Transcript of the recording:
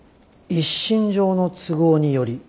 「一身上の都合により」。